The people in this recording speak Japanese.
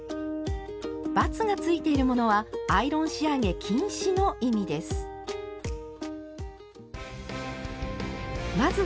バツがついているものはアイロン仕上げ禁止の意味です。